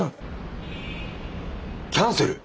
キャンセル！？